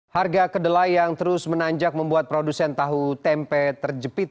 harga kedelai yang terus menanjak membuat produsen tahu tempe terjepit